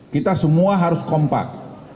kita semua harus kompak